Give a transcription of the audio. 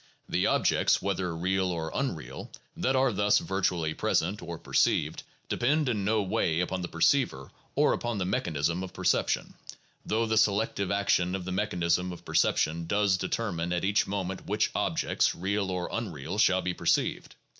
The objects, whether real or unreal, that are thus virtually present, or perceived, depend in no way upon the perceiver or upon the mechanism of perception, though the selective action of the mechanism of perception does determine at each moment which objects, real or unreal, shall be perceived.